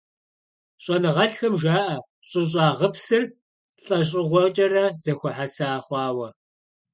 ЩӀэныгъэлӀхэм жаӀэ щӀыщӀагъыпсыр лӀэщӀыгъуэкӀэрэ зэхуэхьэса хъуауэ.